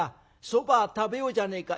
そば食べようじゃねえか。